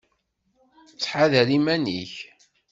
Ttḥadar iman-ik!